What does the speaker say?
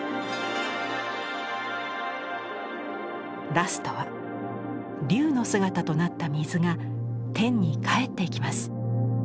ラストは龍の姿となった水が天に帰っていきます。